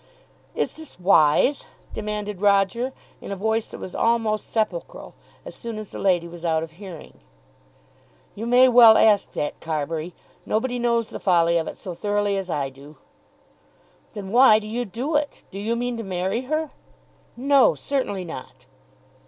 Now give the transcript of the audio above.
"Is this wise?" demanded Roger in a voice that was almost sepulchral, as soon as the lady was out of hearing. "You may well ask that, Carbury. Nobody knows the folly of it so thoroughly as I do." "Then why do you do it? Do you mean to marry her?" "No; certainly not."